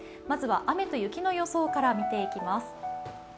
まずは雨と雪の予想から見ていきます。